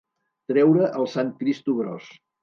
Treure el sant Cristo gros.